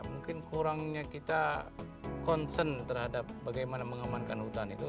mungkin kurangnya kita concern terhadap bagaimana mengamankan hutan itu